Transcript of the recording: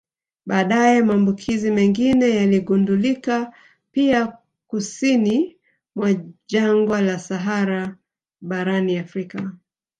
Baadaye maambukizi mengine yaligundulika pia kusini mwa jangwa la Sahara barani Afrika